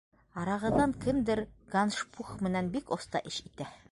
Арағыҙҙан кемдер ганшпуг менән бик оҫта эш итә.